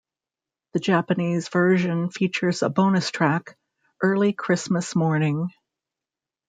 The Japanese version features a bonus track, "Early Christmas Morning".